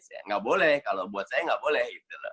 enggak boleh kalau buat saya enggak boleh